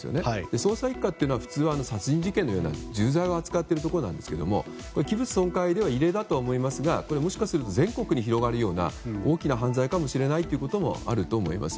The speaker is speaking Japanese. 捜査１課というのは普通、殺人事件のような重罪を扱っているんですが器物損壊では異例だと思いますがもしかしたら、これは全国に広がるような大きな犯罪ということもあると思います。